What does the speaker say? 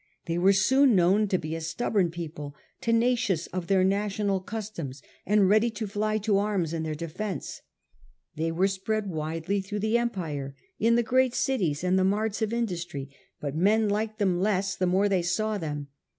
They were soon known to be a stubborn people, tenacious of their national customs, and ready to fly to arms in their defence. They were spread widely through the Empire, in the great cities and the marts of industry ; but men liked them less the more they saw them.